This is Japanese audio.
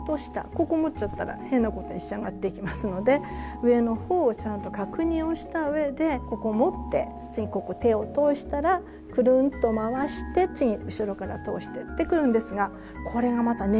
ここ持っちゃったら変なことに仕上がっていきますので上のほうをちゃんと確認をした上でここを持って次ここ手を通したらくるんと回して次後ろから通してくるんですがこれがまたねじれるんですよね